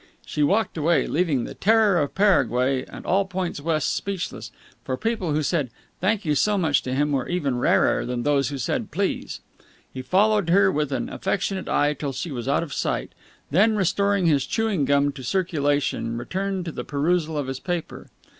She walked away, leaving the Terror of Paraguay and all points west speechless: for people who said "Thank you so much" to him were even rarer than those who said "please." He followed her with an affectionate eye till she was out of sight, then, restoring his chewing gum to circulation, returned to the perusal of his paper.